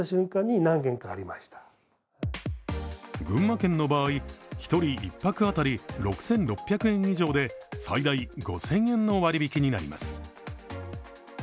群馬県の場合、１人１泊当たり６６００円以上で最大５０００円の割引になります。